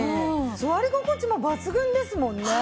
座り心地も抜群ですもんね！